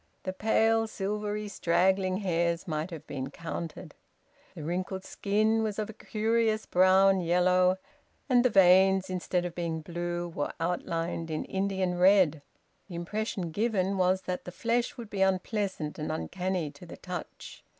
The pale silvery straggling hairs might have been counted. The wrinkled skin was of a curious brown yellow, and the veins, instead of being blue, were outlined in Indian red. The impression given was that the flesh would be unpleasant and uncanny to the touch.